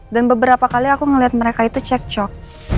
dan beberapa kali aku ngeliat mereka itu cek cok